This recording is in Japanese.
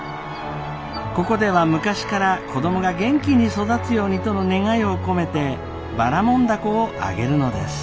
ここでは昔から子供が元気に育つようにとの願いを込めてばらもん凧をあげるのです。